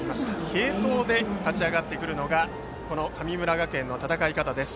継投で勝ち上がってくるのがこの神村学園の戦い方です。